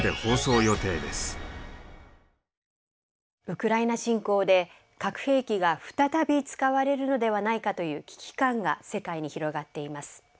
ウクライナ侵攻で核兵器が再び使われるのではないかという危機感が世界に広がっています。